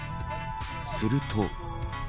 すると。